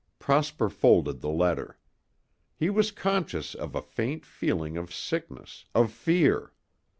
Prosper folded the letter. He was conscious of a faint feeling of sickness, of fear.